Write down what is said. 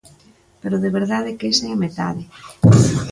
Pero de verdade que esa é a metade.